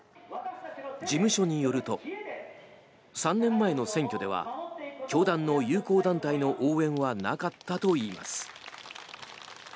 事務所によると３年前の選挙では教団の友好団体の応援はなかったといいます。